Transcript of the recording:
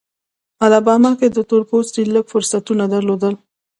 الاباما کې تور پوستي لږ فرصتونه درلودل.